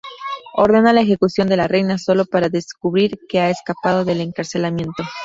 Ordena la ejecución de la reina, sólo para descubrir que ha escapado del encarcelamiento.